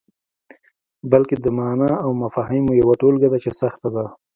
بلکې د معني او مفاهیمو یوه ټولګه ده چې سخته ده.